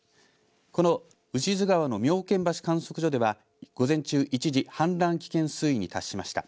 この牛津川の妙見橋観測所では午前中、一時、氾濫危険水位に達しました。